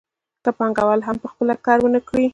که پانګوال هم په خپله کار ونه کړي